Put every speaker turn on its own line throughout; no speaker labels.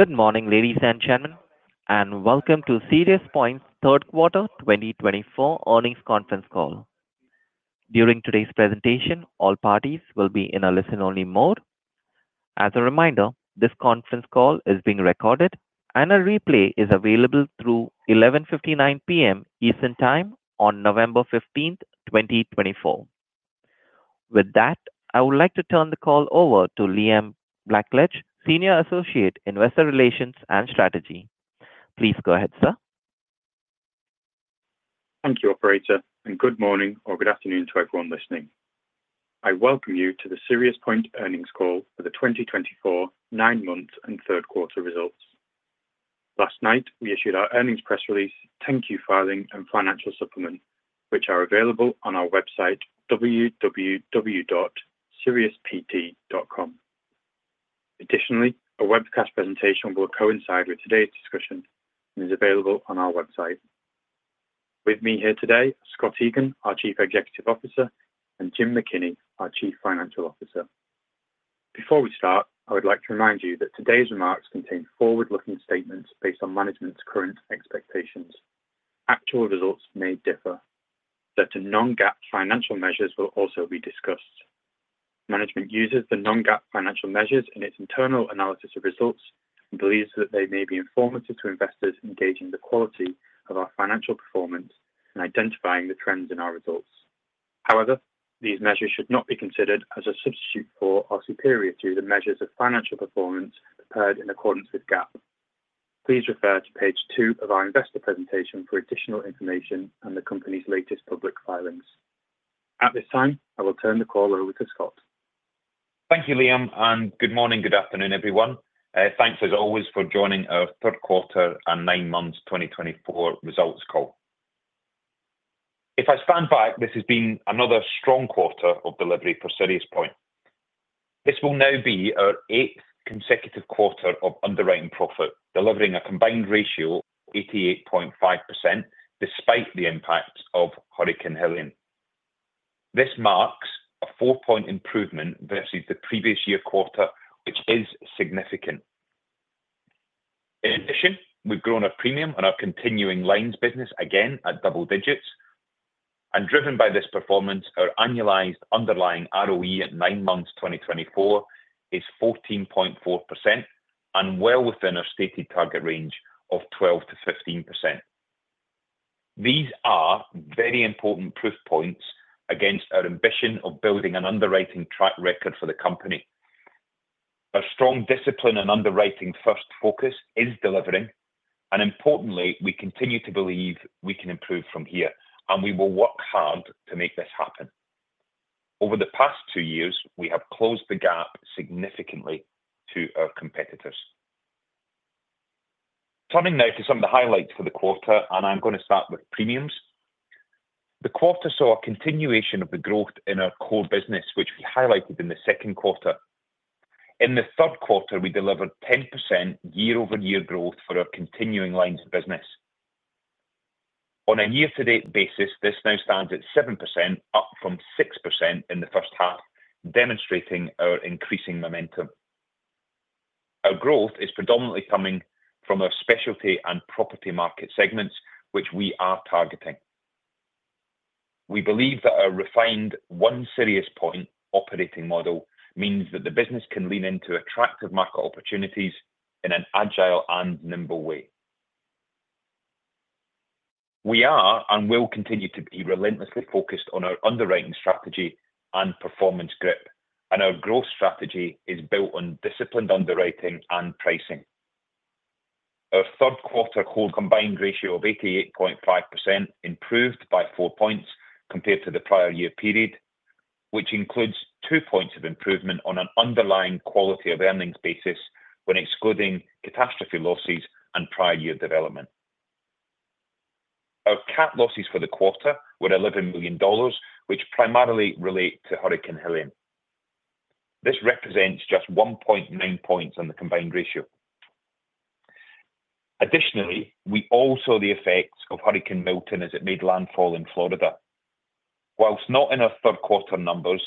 Good morning, ladies and gentlemen, and welcome to SiriusPoint's third quarter 2024 earnings conference call. During today's presentation, all parties will be in a listen-only mode. As a reminder, this conference call is being recorded, and a replay is available through 11:59 P.M. Eastern Time on November 15th, 2024. With that, I would like to turn the call over to Liam Blackledge, Senior Associate, Investor Relations and Strategy. Please go ahead, sir.
Thank you, Operator, and good morning or good afternoon to everyone listening. I welcome you to the SiriusPoint earnings call for the 2024 nine-month and third quarter results. Last night, we issued our earnings press release, 10-Q filing, and financial supplement, which are available on our website, www.siriuspt.com. Additionally, a webcast presentation will coincide with today's discussion and is available on our website. With me here today are Scott Egan, our Chief Executive Officer, and Jim McKinney, our Chief Financial Officer. Before we start, I would like to remind you that today's remarks contain forward-looking statements based on management's current expectations. Actual results may differ. Certain non-GAAP financial measures will also be discussed. Management uses the non-GAAP financial measures in its internal analysis of results and believes that they may be informative to investors assessing the quality of our financial performance and identifying the trends in our results. However, these measures should not be considered as a substitute for or superior to the measures of financial performance prepared in accordance with GAAP. Please refer to page two of our investor presentation for additional information and the company's latest public filings. At this time, I will turn the call over to Scott.
Thank you, Liam, and good morning, good afternoon, everyone. Thanks, as always, for joining our third quarter and nine-month 2024 results call. If I stand back, this has been another strong quarter of delivery for SiriusPoint. This will now be our eighth consecutive quarter of underwriting profit, delivering a combined ratio of 88.5% despite the impact of Hurricane Helene. This marks a four-point improvement versus the previous year quarter, which is significant. In addition, we've grown our premium and our continuing lines business again at double digits. And driven by this performance, our annualized underlying ROE at nine months 2024 is 14.4% and well within our stated target range of 12%-15%. These are very important proof points against our ambition of building an underwriting track record for the company. Our strong discipline and underwriting-first focus is delivering, and importantly, we continue to believe we can improve from here, and we will work hard to make this happen. Over the past two years, we have closed the gap significantly to our competitors. Turning now to some of the highlights for the quarter, and I'm going to start with premiums. The quarter saw a continuation of the growth in our core business, which we highlighted in the second quarter. In the third quarter, we delivered 10% year-over-year growth for our continuing lines of business. On a year-to-date basis, this now stands at 7%, up from 6% in the first half, demonstrating our increasing momentum. Our growth is predominantly coming from our specialty and property market segments, which we are targeting. We believe that our refined One SiriusPoint operating model means that the business can lean into attractive market opportunities in an agile and nimble way. We are and will continue to be relentlessly focused on our underwriting strategy and performance grip, and our growth strategy is built on disciplined underwriting and pricing. Our third quarter overall combined ratio of 88.5% improved by four points compared to the prior year period, which includes two points of improvement on an underlying quality of earnings basis when excluding catastrophe losses and prior year development. Our cat losses for the quarter were $11 million, which primarily relate to Hurricane Helene. This represents just 1.9 points on the combined ratio. Additionally, we also saw the effects of Hurricane Milton as it made landfall in Florida. While not in our third quarter numbers,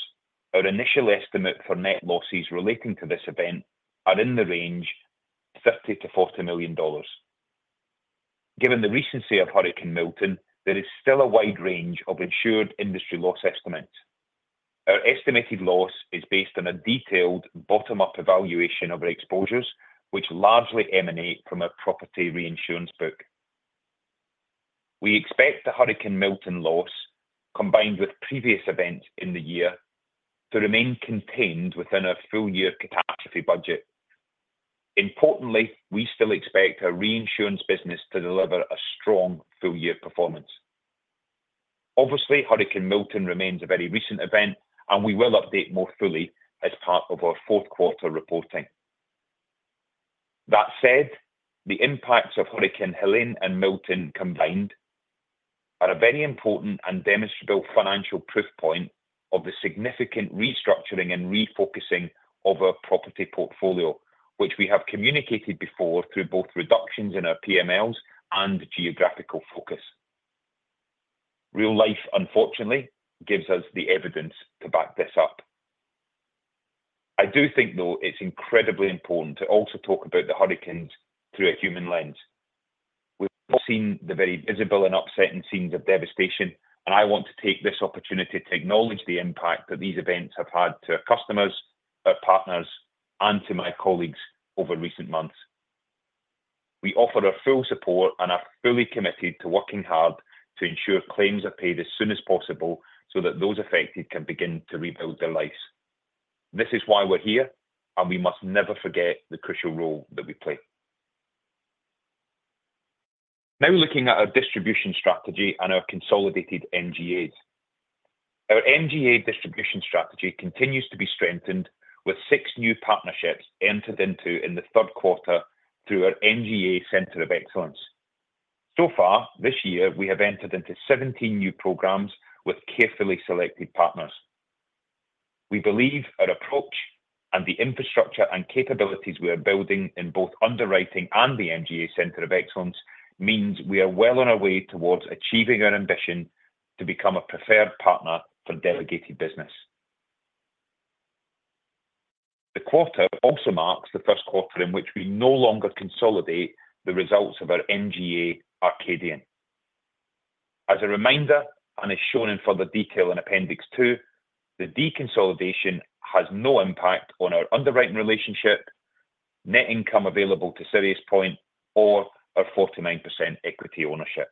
our initial estimate for net losses relating to this event are in the range of $30-$40 million. Given the recency of Hurricane Milton, there is still a wide range of insured industry loss estimates. Our estimated loss is based on a detailed bottom-up evaluation of our exposures, which largely emanate from our property reinsurance book. We expect the Hurricane Milton loss, combined with previous events in the year, to remain contained within our full-year catastrophe budget. Importantly, we still expect our reinsurance business to deliver a strong full-year performance. Obviously, Hurricane Milton remains a very recent event, and we will update more fully as part of our fourth quarter reporting. That said, the impacts of Hurricane Helene and Milton combined are a very important and demonstrable financial proof point of the significant restructuring and refocusing of our property portfolio, which we have communicated before through both reductions in our PMLs and geographical focus. Real life, unfortunately, gives us the evidence to back this up. I do think, though, it's incredibly important to also talk about the hurricanes through a human lens. We've all seen the very visible and upsetting scenes of devastation, and I want to take this opportunity to acknowledge the impact that these events have had to our customers, our partners, and to my colleagues over recent months. We offer our full support and are fully committed to working hard to ensure claims are paid as soon as possible so that those affected can begin to rebuild their lives. This is why we're here, and we must never forget the crucial role that we play. Now looking at our distribution strategy and our consolidated MGAs. Our MGA distribution strategy continues to be strengthened with six new partnerships entered into in the third quarter through our MGA Center of Excellence. So far, this year, we have entered into 17 new programs with carefully selected partners. We believe our approach and the infrastructure and capabilities we are building in both underwriting and the MGA Center of Excellence means we are well on our way towards achieving our ambition to become a preferred partner for delegated business. The quarter also marks the first quarter in which we no longer consolidate the results of our MGA Arcadian. As a reminder, and as shown in further detail in Appendix Two, the deconsolidation has no impact on our underwriting relationship, net income available to SiriusPoint, or our 49% equity ownership.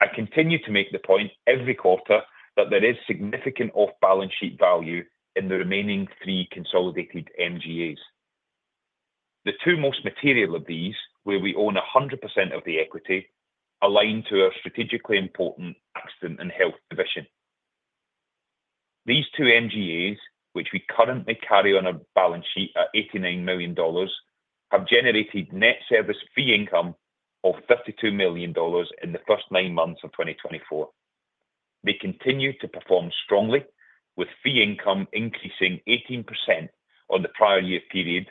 I continue to make the point every quarter that there is significant off-balance sheet value in the remaining three consolidated MGAs. The two most material of these, where we own 100% of the equity, align to our strategically important Accident and Health division. These two MGAs, which we currently carry on our balance sheet at $89 million, have generated net service fee income of $32 million in the first nine months of 2024. They continue to perform strongly, with fee income increasing 18% on the prior year period,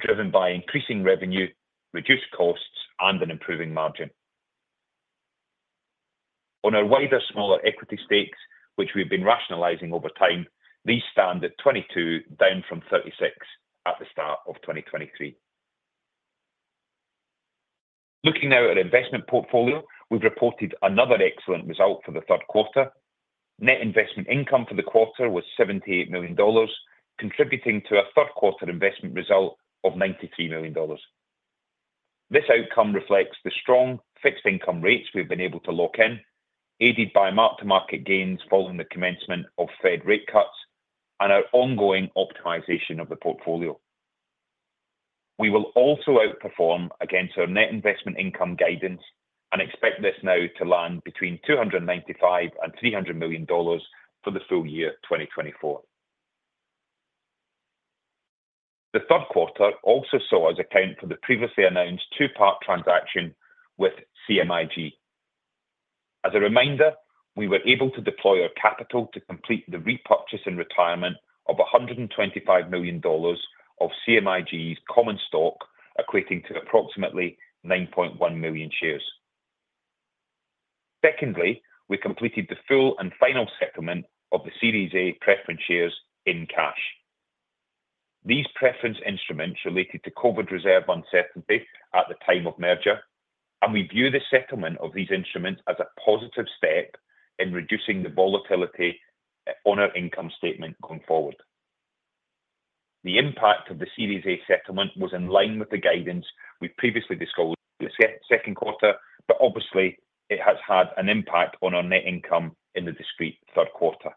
driven by increasing revenue, reduced costs, and an improving margin. On our wider smaller equity stakes, which we've been rationalizing over time, these stand at 22, down from 36 at the start of 2023. Looking now at our investment portfolio, we've reported another excellent result for the third quarter. Net investment income for the quarter was $78 million, contributing to a third quarter investment result of $93 million. This outcome reflects the strong fixed income rates we've been able to lock in, aided by mark-to-market gains following the commencement of Fed rate cuts and our ongoing optimization of the portfolio. We will also outperform against our net investment income guidance and expect this now to land between $295 and $300 million for the full year 2024. The third quarter also saw us account for the previously announced two-part transaction with CMIG. As a reminder, we were able to deploy our capital to complete the repurchase and retirement of $125 million of CMIG's common stock, equating to approximately 9.1 million shares. Secondly, we completed the full and final settlement of the Series A preference shares in cash. These preference instruments related to COVID reserve uncertainty at the time of merger, and we view the settlement of these instruments as a positive step in reducing the volatility on our income statement going forward. The impact of the Series A settlement was in line with the guidance we previously disclosed in the second quarter, but obviously, it has had an impact on our net income in the discrete third quarter.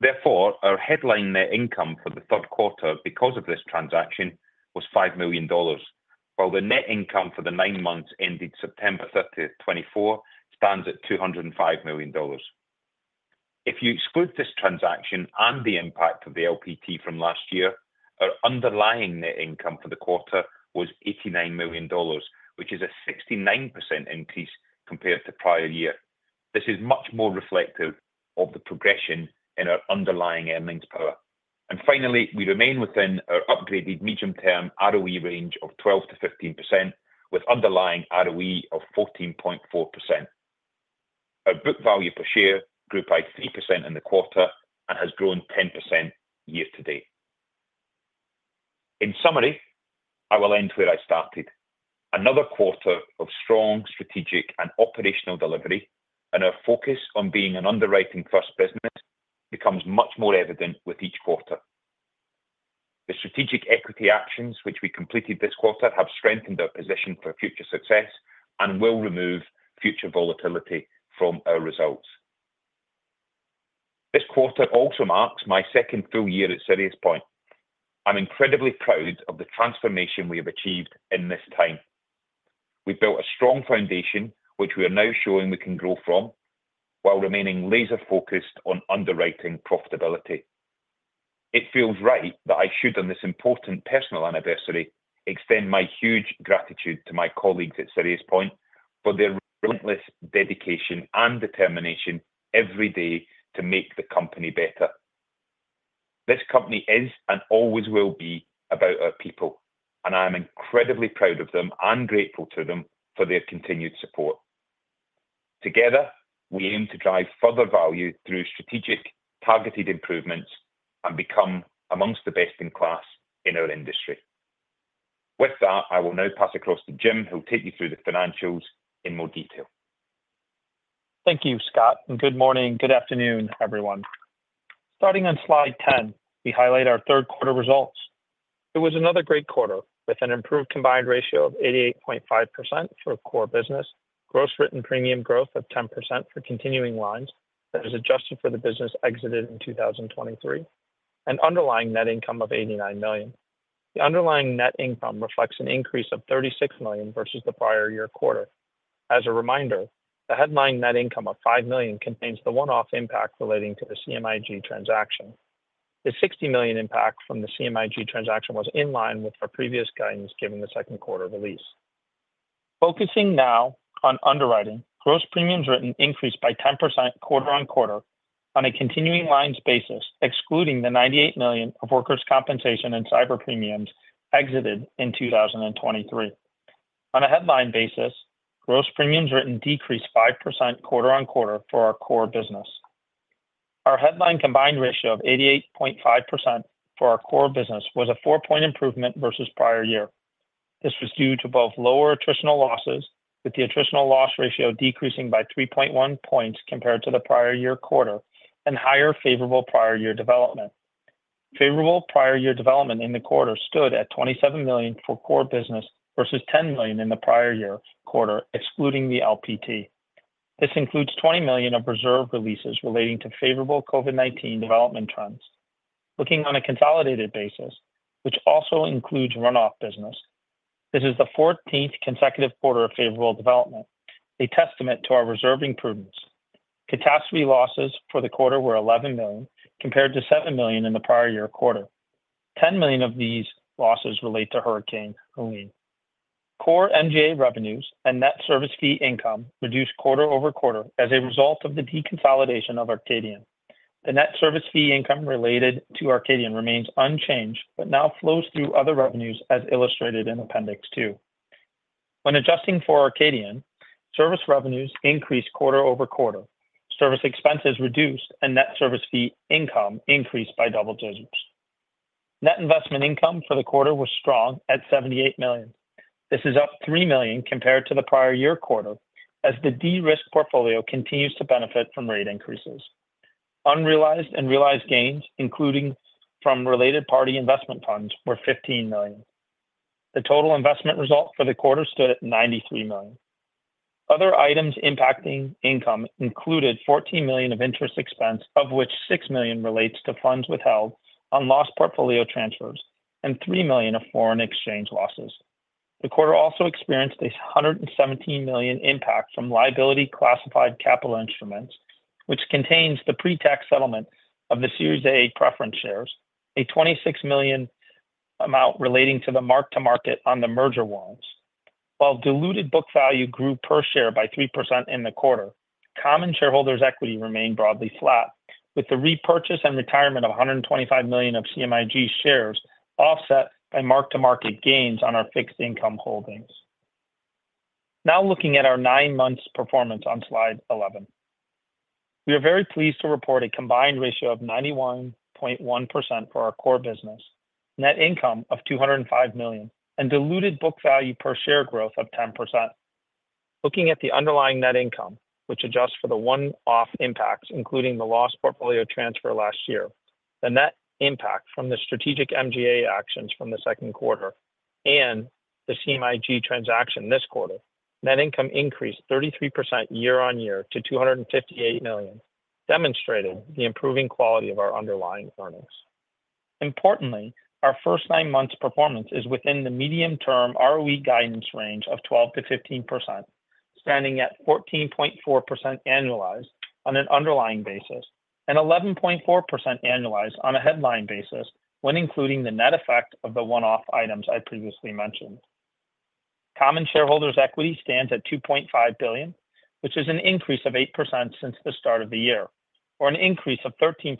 Therefore, our headline net income for the third quarter because of this transaction was $5 million, while the net income for the nine months ended September 30th, 2024, stands at $205 million. If you exclude this transaction and the impact of the LPT from last year, our underlying net income for the quarter was $89 million, which is a 69% increase compared to prior year. This is much more reflective of the progression in our underlying earnings power, and finally, we remain within our upgraded medium-term ROE range of 12%-15%, with underlying ROE of 14.4%. Our book value per share grew by 3% in the quarter and has grown 10% year-to-date. In summary, I will end where I started. Another quarter of strong strategic and operational delivery and our focus on being an underwriting-first business becomes much more evident with each quarter. The strategic equity actions which we completed this quarter have strengthened our position for future success and will remove future volatility from our results. This quarter also marks my second full year at SiriusPoint. I'm incredibly proud of the transformation we have achieved in this time. We've built a strong foundation, which we are now showing we can grow from while remaining laser-focused on underwriting profitability. It feels right that I should, on this important personal anniversary, extend my huge gratitude to my colleagues at SiriusPoint for their relentless dedication and determination every day to make the company better. This company is and always will be about our people, and I'm incredibly proud of them and grateful to them for their continued support. Together, we aim to drive further value through strategic targeted improvements and become amongst the best in class in our industry. With that, I will now pass across to Jim, who'll take you through the financials in more detail.
Thank you, Scott, and good morning, good afternoon, everyone. Starting on slide 10, we highlight our third quarter results. It was another great quarter with an improved combined ratio of 88.5% for core business, gross written premium growth of 10% for continuing lines that is adjusted for the business exited in 2023, and underlying net income of $89 million. The underlying net income reflects an increase of $36 million versus the prior year quarter. As a reminder, the headline net income of $5 million contains the one-off impact relating to the CMIG transaction. The $60 million impact from the CMIG transaction was in line with our previous guidance given the second quarter release. Focusing now on underwriting, gross premiums written increased by 10% quarter on quarter on a continuing lines basis, excluding the $98 million of workers' compensation and cyber premiums exited in 2023. On a headline basis, gross premiums written decreased 5% quarter on quarter for our core business. Our headline combined ratio of 88.5% for our core business was a four-point improvement versus prior year. This was due to both lower attritional losses, with the attritional loss ratio decreasing by 3.1 points compared to the prior year quarter, and higher favorable prior year development. Favorable prior year development in the quarter stood at $27 million for core business versus $10 million in the prior year quarter, excluding the LPT. This includes $20 million of reserve releases relating to favorable COVID-19 development trends. Looking on a consolidated basis, which also includes runoff business, this is the 14th consecutive quarter of favorable development, a testament to our reserving prudence. Catastrophe losses for the quarter were $11 million compared to $7 million in the prior year quarter. $10 million of these losses relate to Hurricane Helene. Core MGA revenues and net service fee income reduced quarter over quarter as a result of the deconsolidation of Arcadian. The net service fee income related to Arcadian remains unchanged, but now flows through other revenues as illustrated in Appendix Two. When adjusting for Arcadian, service revenues increased quarter-over-quarter, service expenses reduced, and net service fee income increased by double digits. Net investment income for the quarter was strong at $78 million. This is up $3 million compared to the prior year quarter, as the de-risked portfolio continues to benefit from rate increases. Unrealized and realized gains, including from related party investment funds, were $15 million. The total investment result for the quarter stood at $93 million. Other items impacting income included $14 million of interest expense, of which $6 million relates to funds withheld on loss portfolio transfers and $3 million of foreign exchange losses. The quarter also experienced a $117 million impact from liability classified capital instruments, which contains the pre-tax settlement of the Series A Preference Shares, a $26 million amount relating to the mark-to-market on the merger warrants. While diluted book value grew per share by 3% in the quarter, common shareholders' equity remained broadly flat, with the repurchase and retirement of $125 million of CMIG shares offset by mark-to-market gains on our fixed income holdings. Now looking at our nine months' performance on slide 11, we are very pleased to report a combined ratio of 91.1% for our core business, net income of $205 million, and diluted book value per share growth of 10%. Looking at the underlying net income, which adjusts for the one-off impacts, including the loss portfolio transfer last year, the net impact from the strategic MGA actions from the second quarter, and the CMIG transaction this quarter, net income increased 33% year-on-year to $258 million, demonstrating the improving quality of our underlying earnings. Importantly, our first nine months' performance is within the medium-term ROE guidance range of 12%-15%, standing at 14.4% annualized on an underlying basis and 11.4% annualized on a headline basis when including the net effect of the one-off items I previously mentioned. Common shareholders' equity stands at $2.5 billion, which is an increase of 8% since the start of the year, or an increase of 13%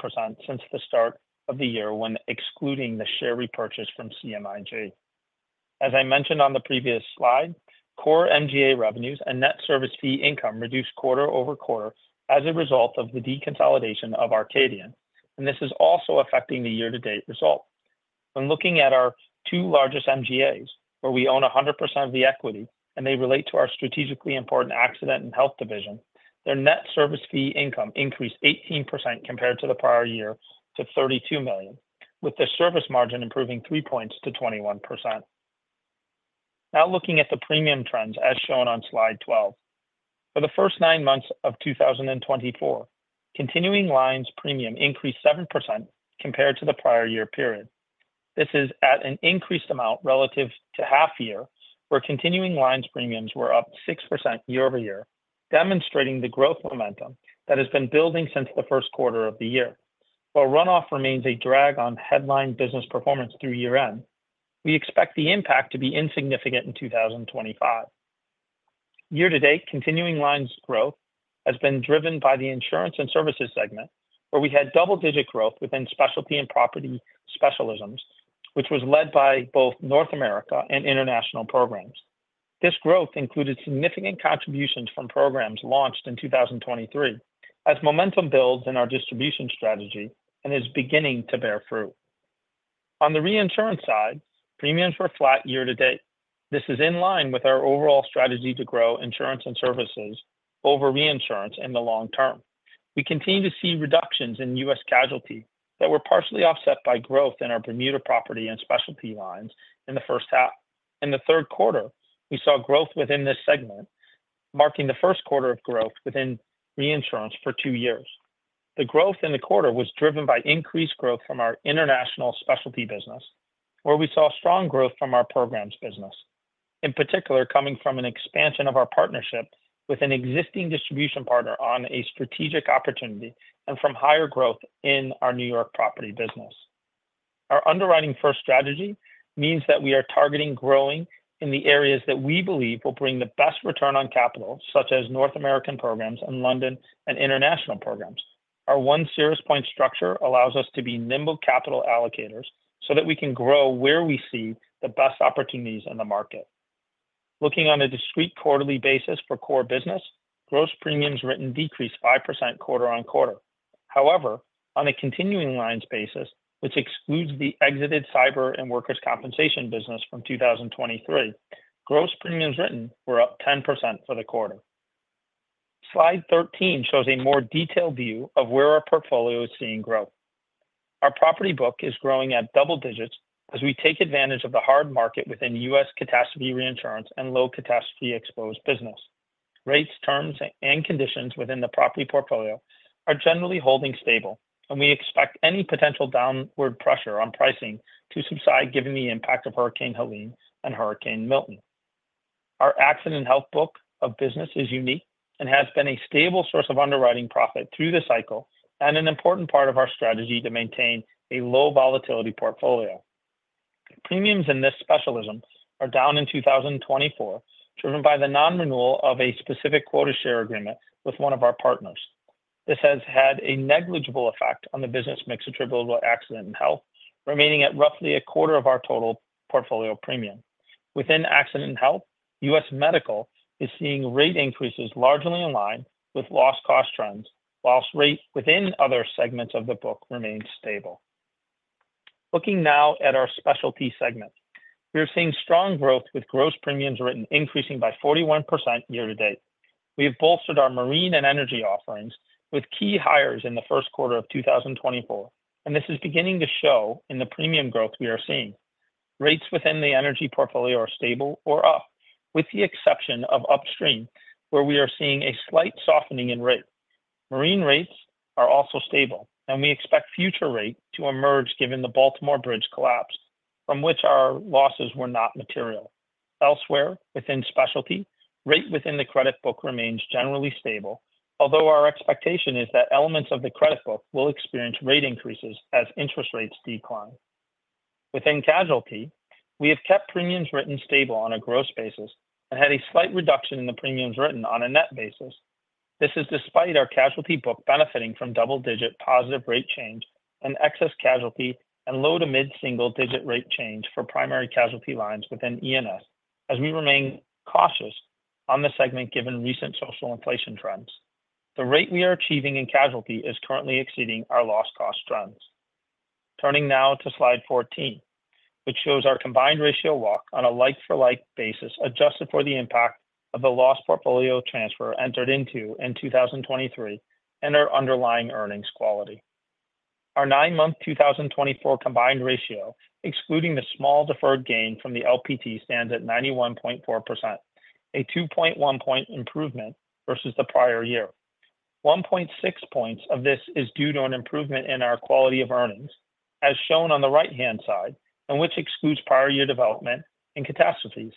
since the start of the year when excluding the share repurchase from CMIG. As I mentioned on the previous slide, core MGA revenues and net service fee income reduced quarter over quarter as a result of the deconsolidation of Arcadian, and this is also affecting the year-to-date result. When looking at our two largest MGAs, where we own 100% of the equity and they relate to our strategically important Accident and Health division, their net service fee income increased 18% compared to the prior year to $32 million, with their service margin improving three points to 21%. Now looking at the premium trends as shown on slide 12, for the first nine months of 2024, continuing lines premium increased 7% compared to the prior year period. This is at an increased amount relative to half-year, where continuing lines premiums were up 6% year-over-year, demonstrating the growth momentum that has been building since the first quarter of the year. While runoff remains a drag on headline business performance through year-end, we expect the impact to be insignificant in 2025. Year-to-date, continuing lines growth has been driven by the insurance and services segment, where we had double-digit growth within specialty and property specialisms, which was led by both North America and international programs. This growth included significant contributions from programs launched in 2023, as momentum builds in our distribution strategy and is beginning to bear fruit. On the reinsurance side, premiums were flat year-to-date. This is in line with our overall strategy to grow insurance and services over reinsurance in the long term. We continue to see reductions in U.S. casualty that were partially offset by growth in our Bermuda property and specialty lines in the first half. In the third quarter, we saw growth within this segment, marking the first quarter of growth within reinsurance for two years. The growth in the quarter was driven by increased growth from our international specialty business, where we saw strong growth from our programs business, in particular coming from an expansion of our partnership with an existing distribution partner on a strategic opportunity and from higher growth in our New York property business. Our underwriting-first strategy means that we are targeting growing in the areas that we believe will bring the best return on capital, such as North American programs and London and international programs. Our SiriusPoint structure allows us to be nimble capital allocators so that we can grow where we see the best opportunities in the market. Looking on a discrete quarterly basis for core business, gross premiums written decreased 5% quarter on quarter. However, on a continuing lines basis, which excludes the exited cyber and workers' compensation business from 2023, gross premiums written were up 10% for the quarter. Slide 13 shows a more detailed view of where our portfolio is seeing growth. Our property book is growing at double digits as we take advantage of the hard market within U.S. catastrophe reinsurance and low catastrophe exposed business. Rates, terms, and conditions within the property portfolio are generally holding stable, and we expect any potential downward pressure on pricing to subside given the impact of Hurricane Helene and Hurricane Milton. Our Accident and Health book of business is unique and has been a stable source of underwriting profit through the cycle and an important part of our strategy to maintain a low volatility portfolio. Premiums in this specialty are down in 2024, driven by the non-renewal of a specific quota share agreement with one of our partners. This has had a negligible effect on the business mix attributable to Accident and Health, remaining at roughly a quarter of our total portfolio premium. Within Accident and Health, U.S. medical is seeing rate increases largely in line with loss cost trends, while rate within other segments of the book remains stable. Looking now at our specialty segment, we are seeing strong growth with gross premiums written increasing by 41% year-to-date. We have bolstered our marine and energy offerings with key hires in the first quarter of 2024, and this is beginning to show in the premium growth we are seeing. Rates within the energy portfolio are stable or up, with the exception of upstream, where we are seeing a slight softening in rate. Marine rates are also stable, and we expect future rate to emerge given the Baltimore Bridge collapse, from which our losses were not material. Elsewhere within specialty, rate within the credit book remains generally stable, although our expectation is that elements of the credit book will experience rate increases as interest rates decline. Within casualty, we have kept premiums written stable on a gross basis and had a slight reduction in the premiums written on a net basis. This is despite our casualty book benefiting from double-digit positive rate change and excess casualty and low to mid-single digit rate change for primary casualty lines within E&S, as we remain cautious on the segment given recent social inflation trends. The rate we are achieving in casualty is currently exceeding our loss cost trends. Turning now to slide 14, which shows our combined ratio walk on a like-for-like basis adjusted for the impact of the Loss Portfolio Transfer entered into in 2023 and our underlying earnings quality. Our nine-month 2024 combined ratio, excluding the small deferred gain from the LPT, stands at 91.4%, a 2.1-point improvement versus the prior year. 1.6 points of this is due to an improvement in our quality of earnings, as shown on the right-hand side, and which excludes prior year development and catastrophes.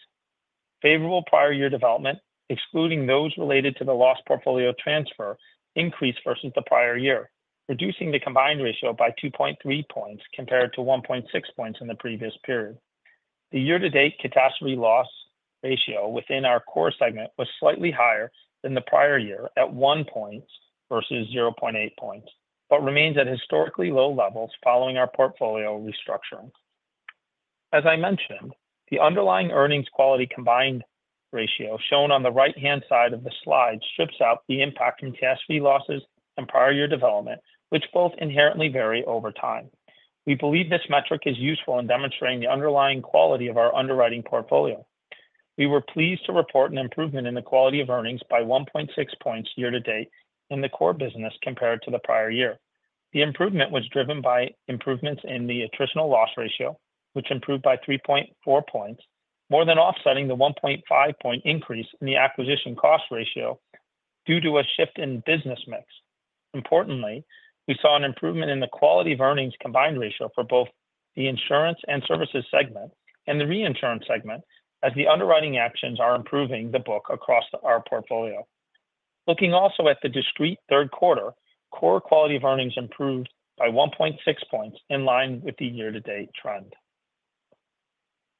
Favorable prior year development, excluding those related to the Loss Portfolio Transfer, increased versus the prior year, reducing the combined ratio by 2.3 points compared to 1.6 points in the previous period. The year-to-date catastrophe loss ratio within our core segment was slightly higher than the prior year at 1 point versus 0.8 points, but remains at historically low levels following our portfolio restructuring. As I mentioned, the underlying earnings quality combined ratio shown on the right-hand side of the slide strips out the impact from catastrophe losses and prior year development, which both inherently vary over time. We believe this metric is useful in demonstrating the underlying quality of our underwriting portfolio. We were pleased to report an improvement in the quality of earnings by 1.6 points year-to-date in the core business compared to the prior year. The improvement was driven by improvements in the attritional loss ratio, which improved by 3.4 points, more than offsetting the 1.5-point increase in the acquisition cost ratio due to a shift in business mix. Importantly, we saw an improvement in the quality of earnings combined ratio for both the insurance and services segment and the reinsurance segment, as the underwriting actions are improving the book across our portfolio. Looking also at the discrete third quarter, core quality of earnings improved by 1.6 points in line with the year-to-date trend.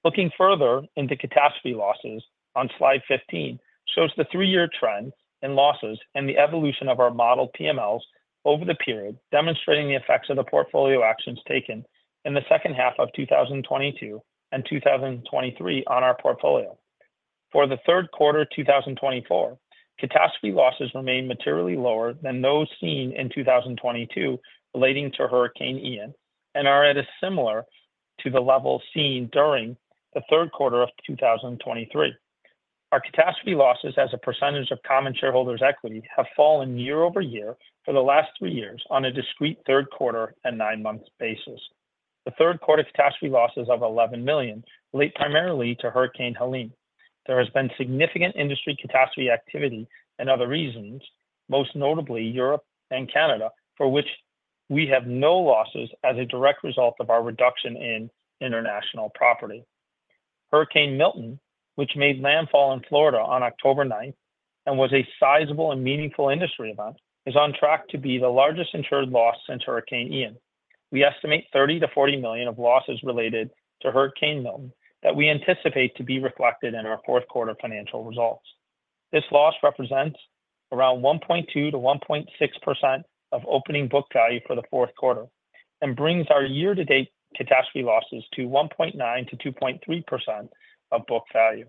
Looking further into catastrophe losses on slide 15 shows the three-year trend in losses and the evolution of our model PMLs over the period, demonstrating the effects of the portfolio actions taken in the second half of 2022 and 2023 on our portfolio. For the third quarter 2024, catastrophe losses remain materially lower than those seen in 2022 relating to Hurricane Ian and are similar to the level seen during the third quarter of 2023. Our catastrophe losses as a percentage of common shareholders' equity have fallen year-over-year for the last three years on a discrete third quarter and nine-month basis. The third quarter catastrophe losses of $11 million relate primarily to Hurricane Helene. There has been significant industry catastrophe activity and other reasons, most notably Europe and Canada, for which we have no losses as a direct result of our reduction in international property. Hurricane Milton, which made landfall in Florida on October 9th and was a sizable and meaningful industry event, is on track to be the largest insured loss since Hurricane Ian. We estimate $30-$40 million of losses related to Hurricane Milton that we anticipate to be reflected in our fourth quarter financial results. This loss represents around 1.2%-1.6% of opening book value for the fourth quarter and brings our year-to-date catastrophe losses to 1.9%-2.3% of book value.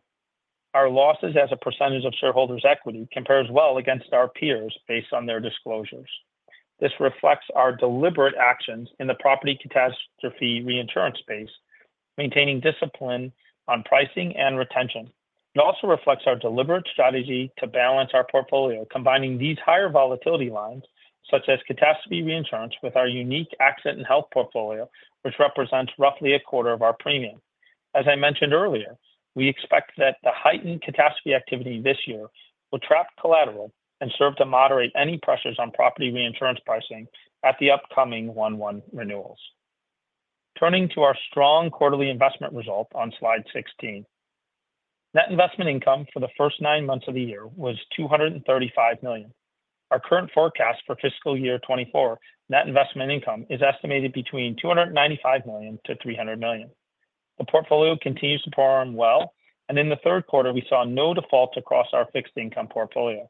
Our losses as a percentage of shareholders' equity compare well against our peers based on their disclosures. This reflects our deliberate actions in the property catastrophe reinsurance space, maintaining discipline on pricing and retention. It also reflects our deliberate strategy to balance our portfolio, combining these higher volatility lines, such as catastrophe reinsurance, with our unique Accident and Health portfolio, which represents roughly a quarter of our premium. As I mentioned earlier, we expect that the heightened catastrophe activity this year will trap collateral and serve to moderate any pressures on property reinsurance pricing at the upcoming 1/1 renewals. Turning to our strong quarterly investment result on slide 16, net investment income for the first nine months of the year was $235 million. Our current forecast for fiscal year 2024 net investment income is estimated between $295 million-$300 million. The portfolio continues to perform well, and in the third quarter, we saw no defaults across our fixed income portfolio.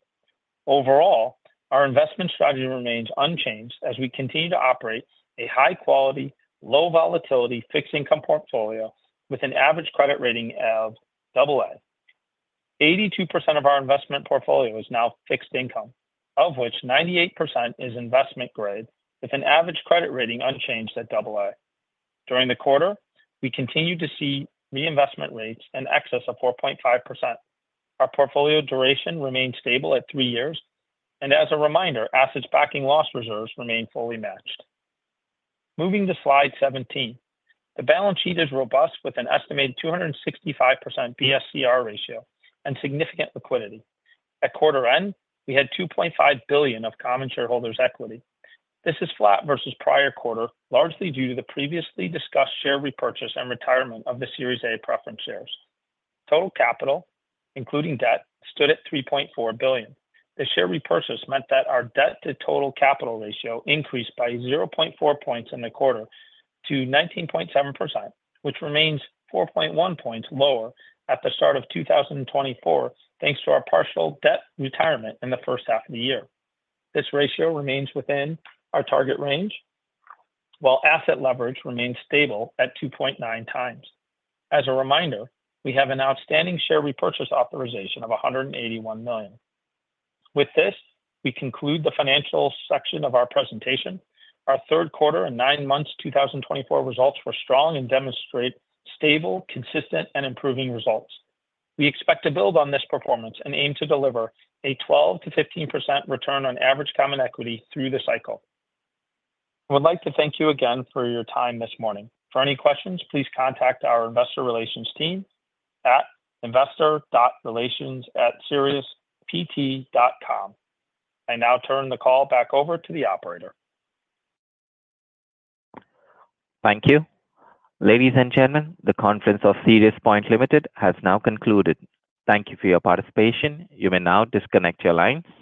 Overall, our investment strategy remains unchanged as we continue to operate a high-quality, low-volatility fixed income portfolio with an average credit rating of AA. 82% of our investment portfolio is now fixed income, of which 98% is investment grade with an average credit rating unchanged at AA. During the quarter, we continue to see reinvestment rates in excess of 4.5%. Our portfolio duration remains stable at three years, and as a reminder, assets backing loss reserves remain fully matched. Moving to slide 17, the balance sheet is robust with an estimated 265% BSCR ratio and significant liquidity. At quarter end, we had $2.5 billion of common shareholders' equity. This is flat versus prior quarter, largely due to the previously discussed share repurchase and retirement of the Series A Preference Shares. Total capital, including debt, stood at $3.4 billion. The share repurchase meant that our debt-to-total capital ratio increased by 0.4 points in the quarter to 19.7%, which remains 4.1 points lower at the start of 2024, thanks to our partial debt retirement in the first half of the year. This ratio remains within our target range, while asset leverage remains stable at 2.9 times. As a reminder, we have an outstanding share repurchase authorization of $181 million. With this, we conclude the financial section of our presentation. Our third quarter and nine months 2024 results were strong and demonstrate stable, consistent, and improving results. We expect to build on this performance and aim to deliver a 12%-15% return on average common equity through the cycle. I would like to thank you again for your time this morning. For any questions, please contact our investor relations team at investor.relations@siriuspt.com. I now turn the call back over to the operator.
Thank you. Ladies and gentlemen, the conference of SiriusPoint Ltd. has now concluded. Thank you for your participation. You may now disconnect your lines.